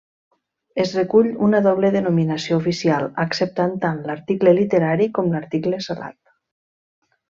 Es recull una doble denominació oficial acceptant tant l'article literari com l'article salat.